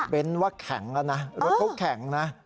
เบนท์ว่าแข็งแล้วนะบริคุกแข็งนะ